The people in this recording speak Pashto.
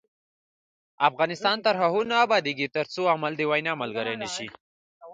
افغانستان تر هغو نه ابادیږي، ترڅو عمل د وینا ملګری نشي.